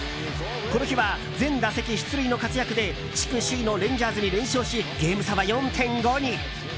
この日は、全打席出塁の活躍で地区首位のレンジャーズに連勝しゲーム差は４．５に。